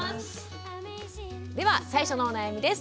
では最初のお悩みです。